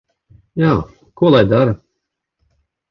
Jā. Ko lai dara?